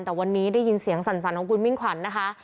แต่วันนี้ได้ยินเสียงสั่นของคุณมิ่งขวัญนะคะ